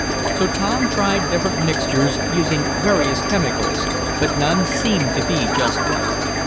So Tom tried different mixtures, using various chemicals, but none seemed to be just right.